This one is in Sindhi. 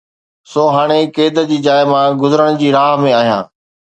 سو هاڻي قيد جي جاءِ مان گذرڻ جي راهه ۾ آهيان